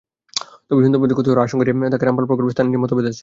তবে সুন্দরবনের ক্ষতি হওয়ার আশঙ্কা থাকায় রামপাল প্রকল্পের স্থান নিয়ে মতভেদ আছে।